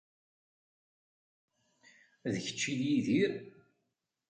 D kečč i d Yidir?